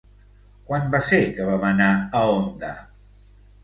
Quan va ser que vam anar a Onda?